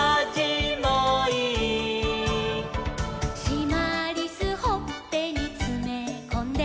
「しまりすほっぺにつめこんで」